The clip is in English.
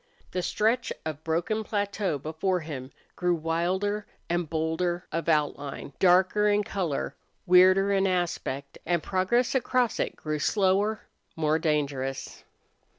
The stretch of broken plateau before him grew wilder and bolder of outline, darker in color, weirder in aspect and progress across it grew slower, more dangerous.